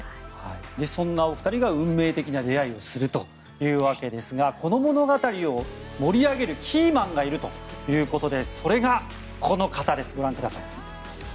そんなお二人が運命的な出会いをするわけですがこの物語を盛り上げるキーマンがいるということでそれがこの方ですご覧ください。